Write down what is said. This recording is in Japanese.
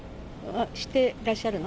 知ってらっしゃるの？